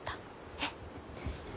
えっ？